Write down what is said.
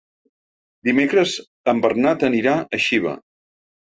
Dimecres en Bernat anirà a Xiva.